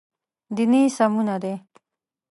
دیني سمونه دی.